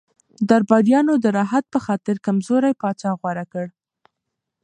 درباریانو د راحت په خاطر کمزوری پاچا غوره کړ.